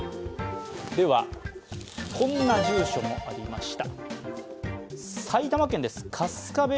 では、こんな住所もありました。